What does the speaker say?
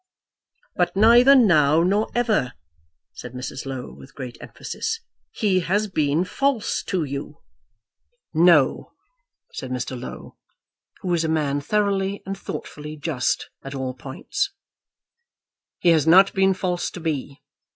"But neither now nor ever," said Mrs. Low, with great emphasis; "he has been false to you." "No," said Mr. Low, who was a man thoroughly and thoughtfully just at all points; "he has not been false to me.